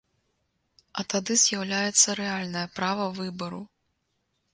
А тады з'яўляецца рэальнае права выбару.